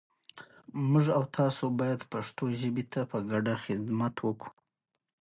سور غول د تازه وینې اشاره کوي.